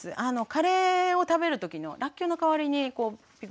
カレーを食べる時のらっきょうの代わりにピクルス